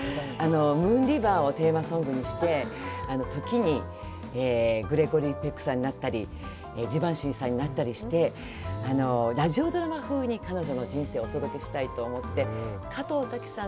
「ムーンリバー」をテーマソングにして、時にグレゴリー・ペクサーさんになったりジバンシィさんになったりして、ラジオドラマ風に彼女の人生をお届けしたいと思って。